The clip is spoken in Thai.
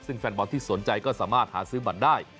ซึ่งแฟนบอลที่สนใจก็สามารถหาซื้อบัตรได้